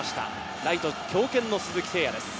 ライト、強肩の鈴木誠也です。